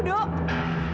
kamu tuh kenapa sih edo